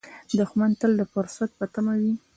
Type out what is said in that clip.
دښمن تل د فرصت په تمه وي